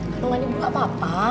kandungan ini bukan apa apa